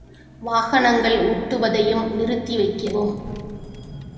வாகனங்கள் ஒட்டுவதையும் நிறுத்தி வைக்கவும்.